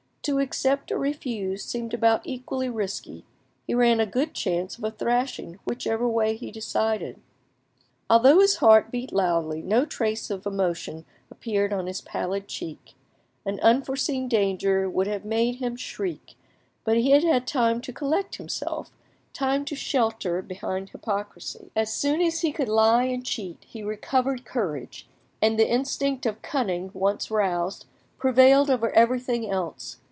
To accept or refuse seemed about equally risky; he ran a good chance of a thrashing whichever way he decided. Although his heart beat loudly, no trace of emotion appeared on his pallid cheek; an unforeseen danger would have made him shriek, but he had had time to collect himself, time to shelter behind hypocrisy. As soon as he could lie and cheat he recovered courage, and the instinct of cunning, once roused, prevailed over everything else.